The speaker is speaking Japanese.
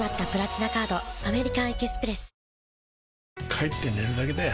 帰って寝るだけだよ